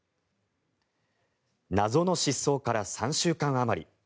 謎の失踪から３週間あまり。